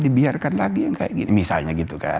dibiarkan lagi misalnya gitu kan